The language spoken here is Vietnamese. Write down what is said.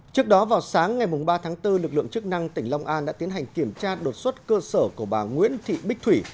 trước đó vào sáng ngày ba tháng bốn lực lượng chức năng tỉnh long an đã tiến hành kiểm tra đột xuất cơ sở của bà nguyễn thị bích thủy